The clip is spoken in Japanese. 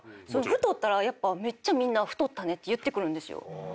太ったらやっぱめっちゃみんな「太ったね」って言ってくるんです。